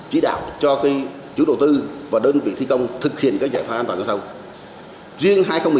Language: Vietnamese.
chỉ đạo cho chủ đầu tư và đơn vị thi công thực hiện các giải pháp an toàn giao thông